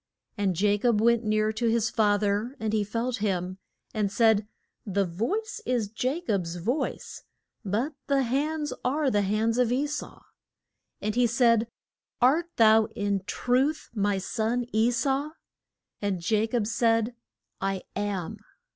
And Ja cob went near to his fa ther and he felt him, and said, The voice is Ja cob's voice, but the hands are the hands of E sau. And he said, Art thou in truth my son E sau? And Ja cob said, I am.